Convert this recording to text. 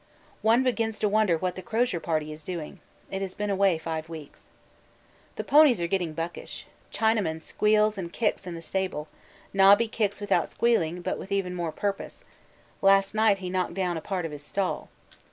One begins to wonder what the Crozier Party is doing. It has been away five weeks. The ponies are getting buckish. Chinaman squeals and kicks in the stable, Nobby kicks without squealing, but with even more purpose last night he knocked down a part of his stall.